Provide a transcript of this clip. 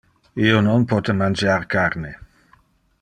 Io non pote mangiar carne.